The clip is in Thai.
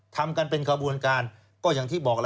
ทำกันเป็นขบวนการก็อย่างที่บอกแล้ว